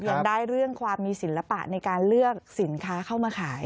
ยังได้เรื่องความมีศิลปะในการเลือกสินค้าเข้ามาขาย